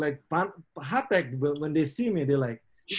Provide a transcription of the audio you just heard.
jadi seperti seperti hattek ketika mereka melihat saya mereka seperti